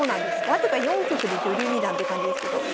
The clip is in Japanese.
わずか４局で女流二段という感じですけど。